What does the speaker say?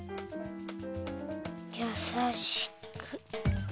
やさしく。